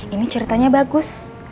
ini ceritanya bagus